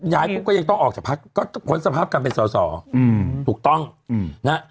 ย้ายพวกก็ยังต้องออกจากพักก็ผลสภาพกันเป็นส่อถูกต้องนะ